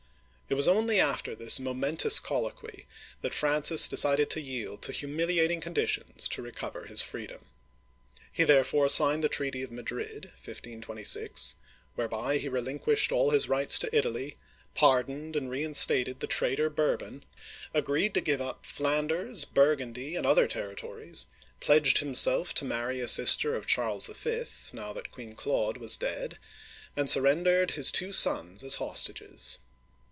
It was only after this momentous colloquy that Francis decided to yield to humiliating conditions to recover his freedom. He therefore signed the treaty of Madrid ( 1 526), whereby he relinquished all his rights to Italy, pardoned and reinstated the traitor Bourbon, agreed to give up Flanders, Burgundy, and other territories, pledged himself to marry a sister of Charles V., now that Queen Claude was dead, and surrendered his two sons as hostages.